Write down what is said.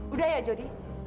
udah ya jodi